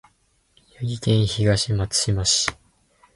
宮城県東松島市